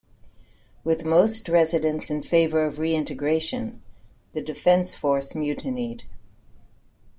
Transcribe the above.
With most residents in favour of reintegration, the defence force mutinied.